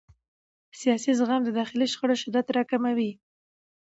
سیاسي زغم د داخلي شخړو شدت راکموي